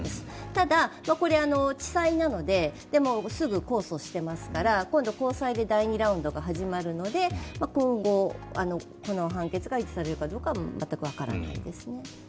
ただ、これ、地裁なので、すぐ控訴してますから、今度、高裁で第２ラウンドが始まるので今後、この判決が維持されるかどうかは全く分からないですね。